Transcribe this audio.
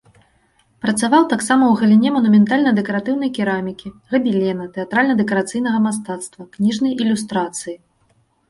Працаваў таксама ў галіне манументальна-дэкаратыўнай керамікі, габелена, тэатральна-дэкарацыйнага мастацтва, кніжнай ілюстрацыі.